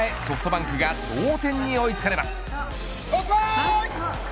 ソフトバンクが同点に追いつかれます。